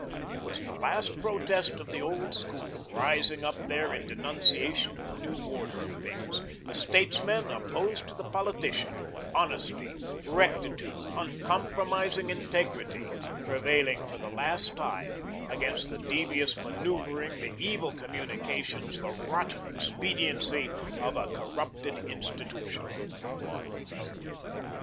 It was the last protest of the Old School, rising up there in denunciation of the new order of things, the statesman opposed to the politician; honesty, rectitude, uncompromising integrity, prevailing for the last time against the devious manoeuvring, the evil communications, the rotten expediency of a corrupted institution.